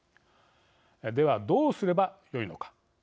ではどうすればよいのか。